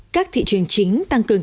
các thị trường chính tăng cường